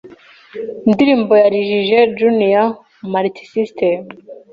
indirimbo yarijije Junior Multisystem